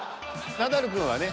ナダルくんはね